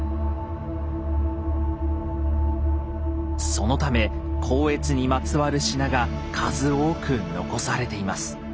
そのため光悦にまつわる品が数多く残されています。